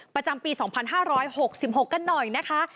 ประจำปี๒๕๖๖กันหน่อยนะคะ